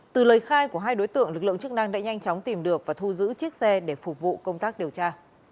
từ lời khai của hai đối tượng lực lượng chức năng đã nhanh chóng tìm được và thu giữ chiếc xe để phục vụ công tác điều tra